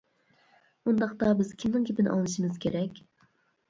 ئۇنداقتا بىز كىمنىڭ گېپىنى ئاڭلىشىمىز كېرەك.